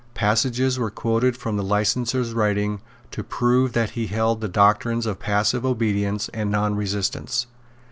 Passages were quoted from the licenser's writings to prove that he held the doctrines of passive obedience and nonresistance.